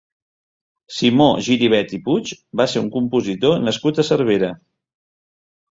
Simó Giribet i Puig va ser un compositor nascut a Cervera.